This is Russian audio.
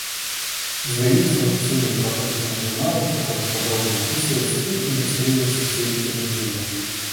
Издаются всюду патентные журналы, в которых подробно описываются и иллюстрируются все изобретения.